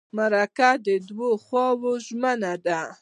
مرکه د دوو خواوو ژمنه ده.